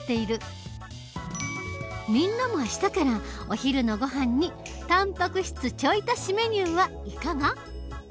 みんなも明日からお昼のごはんにたんぱく質ちょい足しメニューはいかが？